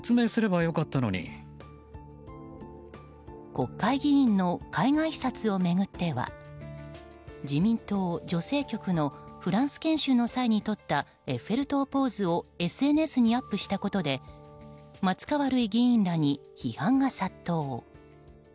国会議員の海外視察を巡っては自民党女性局のフランス研修の際に撮ったエッフェル塔ポーズをＳＮＳにアップしたことで松川るい議員らに批判が殺到。